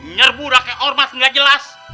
nyerbu raknya ormas gak jelas